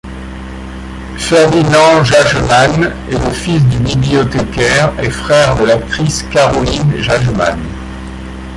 Ferdinand Jagemann est le fils du bibliothécaire et frère de l'actrice Karoline Jagemann.